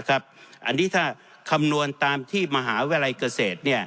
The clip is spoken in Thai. อันนี้ถ้าคำนวณตามที่มหาวิทยาลัยเกษตร